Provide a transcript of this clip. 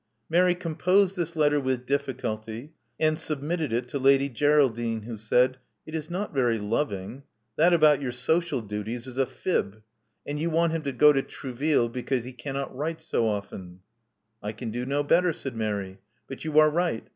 Mary composed this letter with difficulty, and sub mitted it to Lady Geraldine, who said, It is not very loving. That about your social duties is a fib. And you want him to go to Trouville because he cannot write so often." I can do ifo better," said Mary. ''But you are right.